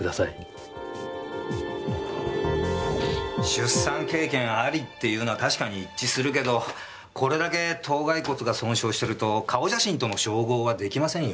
出産経験ありっていうのは確かに一致するけどこれだけ頭蓋骨が損傷してると顔写真との照合は出来ませんよね？